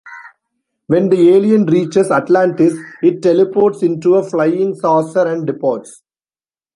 When the alien reaches Atlantis, it teleports into a flying saucer and departs.